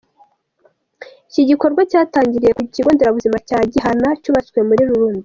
Iki gikorwa cyatangiriye ku kigo nderabuzima cya Gihana cyubatswe muri Runda.